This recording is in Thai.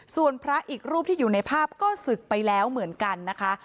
ส่วนพระอีกรูปที่อยู่ในภาพก็ศึกไปแล้วเหมือนกันนะคะ